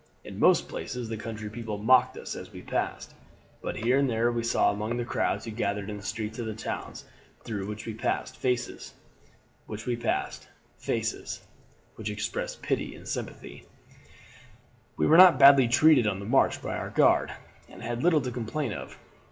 In most places the country people mocked us as we passed; but here and there we saw among the crowds who gathered in the streets of the towns through which we passed, faces which we passed, faces which expressed pity and sympathy "We were not badly treated on the march by our guard, and had little to complain of.